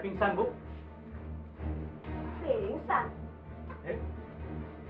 besar aku mau balang togel